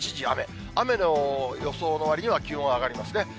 雨の予想のわりには気温上がりますね。